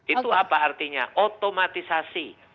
itu apa artinya otomatisasi